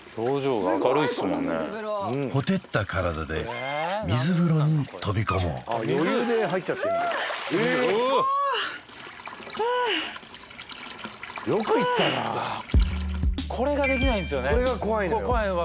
すごいこの水風呂ほてった体で水風呂に飛び込もう余裕で入っちゃってるおあよくいったなこれができないんですよねこれが怖いのよ